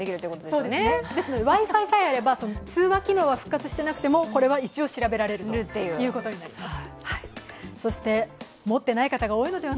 ですのでＷｉ−Ｆｉさえあれば、通話機能は復活してなくても、これは一応調べられるということになります。